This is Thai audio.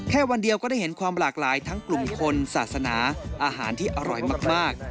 วันเดียวก็ได้เห็นความหลากหลายทั้งกลุ่มคนศาสนาอาหารที่อร่อยมาก